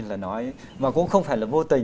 là nói mà cũng không phải là vô tình